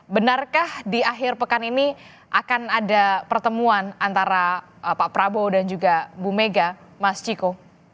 benarkah di akhir pekan ini akan ada pertemuan antara pak prabowo dan juga bu mega mas ciko